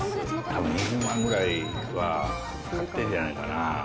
たぶん２０万ぐらいは買ってるんじゃないかな。